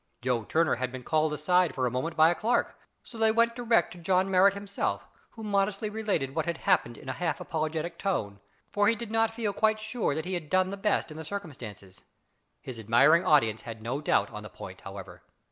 Joe Turner had been called aside for a moment by a clerk, so they went direct to John Marrot himself, who modestly related what had happened in a half apologetic tone, for he did not feel quite sure that he had done the best in the circumstances. His admiring audience had no doubt on the point, however.